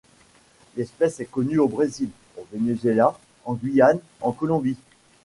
L'espèce est connue au Brésil, au Venezuela, en Guyane, en Colombie.